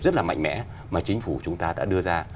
rất là mạnh mẽ mà chính phủ chúng ta đã đưa ra